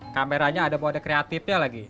kameranya ada mode kreatifnya lagi